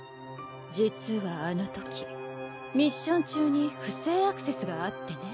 実はあのときミッション中に不正アクセスがあってね。